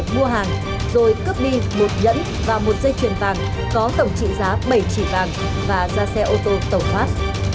ngô hoàng anh mua hàng rồi cướp đi một nhẫn và một dây chuyền vàng có tổng trị giá bảy trị vàng và ra xe ô tô tẩu thoát